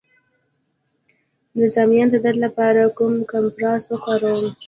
د زایمان د درد لپاره کوم کمپرس وکاروم؟